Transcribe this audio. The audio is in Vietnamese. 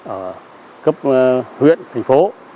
ở cấp huyện thành phố